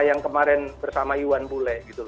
yang kemarin bersama iwan bule gitu